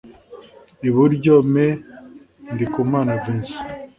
I buryo Me Ndikumana Vincent